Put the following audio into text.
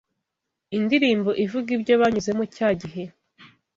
indirimbo ivuga ibyo banyuzemo cyagihe